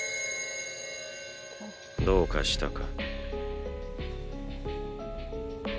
どうかしたか。